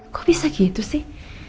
kok bisa gitu sih